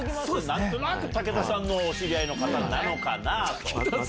何となく武田さんのお知り合いかな？と。